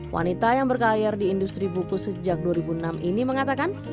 wanita yang berkayar di industri buku sejak dua ribu enam ini mengatakan